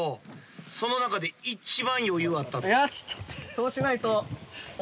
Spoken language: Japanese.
そうしないと。